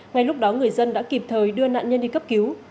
ngay lúc đó người dân đã kịp thời đưa nạn nhân đi cấp cứu